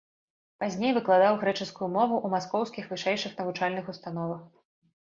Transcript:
Пазней выкладаў грэчаскую мову ў маскоўскіх вышэйшых навучальных установах.